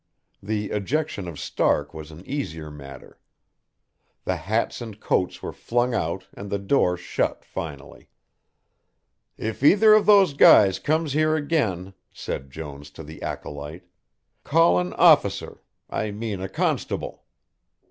The ejection of Stark was an easier matter. The hats and coats were flung out and the door shut finally. "If either of those guys comes here again," said Jones to the acolyte, "call an officer I mean a constable."